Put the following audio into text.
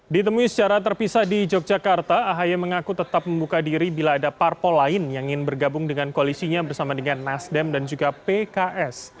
ditemui secara terpisah di yogyakarta ahy mengaku tetap membuka diri bila ada parpol lain yang ingin bergabung dengan koalisinya bersama dengan nasdem dan juga pks